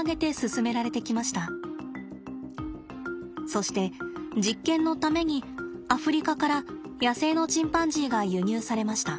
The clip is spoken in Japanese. そして実験のためにアフリカから野生のチンパンジーが輸入されました。